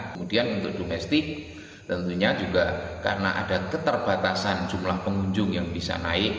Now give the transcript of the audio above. kemudian untuk domestik tentunya juga karena ada keterbatasan jumlah pengunjung yang bisa naik